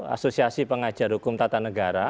asosiasi pengajar hukum tata negara